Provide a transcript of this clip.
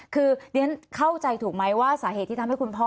คือเรียนเข้าใจถูกไหมว่าสาเหตุที่ทำให้คุณพ่อ